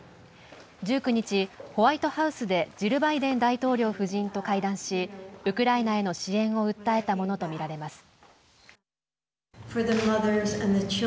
１９日、ホワイトハウスでジル・バイデン大統領夫人と会談し、ウクライナへの支援を訴えたものと見られます。